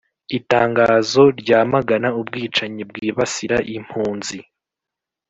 itangazo ryamagana ubwicanyi bwibasira impunzi